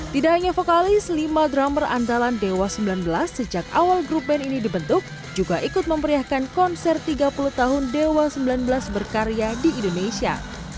tidak hanya vokalis lima drummer andalan dewa sembilan belas sejak awal grup band ini dibentuk juga ikut memperiahkan konser tiga puluh tahun dewa sembilan belas berkarya di indonesia